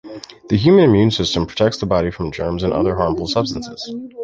The human immune system protects the body from germs and other harmful substances.